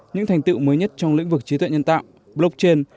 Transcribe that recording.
những thành tiệu mới nhất trong lĩnh vực trí tuệ nhân tạo blockchain